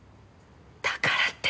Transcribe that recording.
だからって。